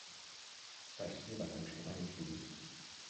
Staś nie wahał się ani chwili.